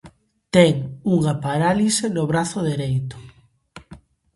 Ten unha parálise no brazo dereito.